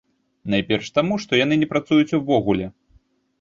Найперш таму, што яны не працуюць ўвогуле.